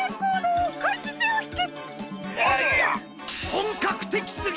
本格的すぎ！